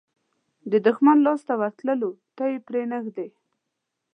د دښمن لاس ته ورتلو ته یې پرې نه ږدي.